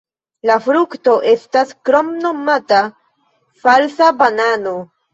La frukto estas kromnomata "falsa banano".